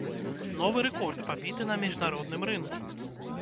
Новы рэкорд пабіты на міжнародным рынку.